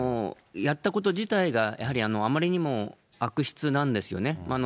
やったこと自体が、やはりあまりにも悪質なんですよね。